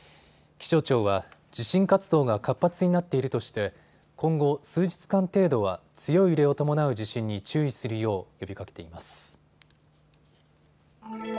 気象庁は地震活動が活発になっているとして今後、数日間程度は強い揺れを伴う地震に注意するよう呼びかけています。